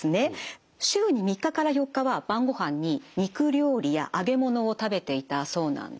週に３日から４日は晩ごはんに肉料理や揚げ物を食べていたそうなんです。